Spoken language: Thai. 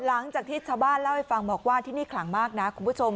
หลังจากที่ชาวบ้านเล่าให้ฟังบอกว่าที่นี่ขลังมากนะคุณผู้ชม